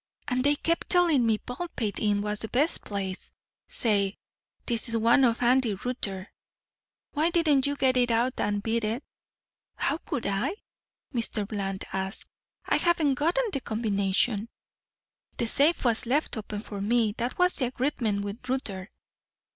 "And they kept telling me Baldpate Inn was the best place say, this is one on Andy Rutter. Why didn't you get it out and beat it?" "How could I?" Mr. Bland asked. "I haven't got the combination. The safe was left open for me. That was the agreement with Rutter."